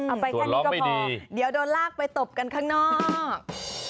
ไปแค่นี้ก็พอเดี๋ยวโดนลากไปตบกันข้างนอก